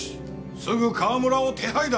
すぐ川村を手配だ！